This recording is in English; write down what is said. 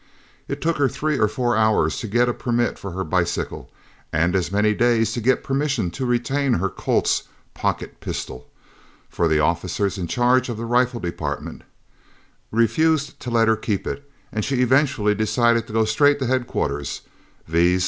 It took her three or four hours to get a permit for her bicycle and as many days to get permission to retain her Colt's pocket pistol, for the officers in charge of the rifle department refused to let her keep it and she eventually decided to go straight to head quarters, viz.